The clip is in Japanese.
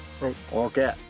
ＯＫ。